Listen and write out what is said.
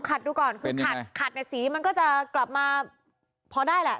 ขัดในสีมันก็จะกลับมาพอได้แหละ